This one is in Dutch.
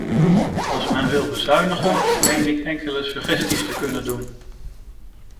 Als men wil bezuinigen, meen ik enkele suggesties te kunnen doen.